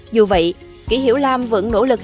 dù vậy kỷ hiểu lam vẫn nỗ lực hết tất cả